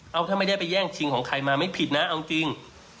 เอาถ้าไม่ได้ไปแย่งชิงของใครมาไม่ผิดนะเอาจริง